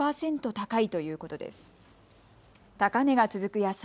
高値が続く野菜。